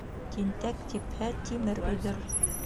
Тинтәк типһә тимер өҙөр.